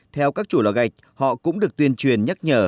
theo các chủ lò gạch họ cũng được tuyên truyền nhắc nhở